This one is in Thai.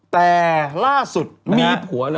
แต่ล่าสุดมีผัวเลย